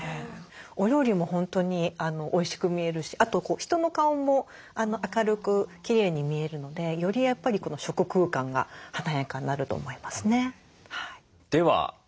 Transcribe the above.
お料理も本当においしく見えるしあと人の顔も明るくきれいに見えるのでよりやっぱり食空間が華やかになると思いますね。